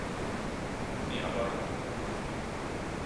Mi a baj?